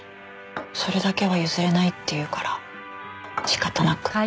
それだけは譲れないって言うから仕方なく。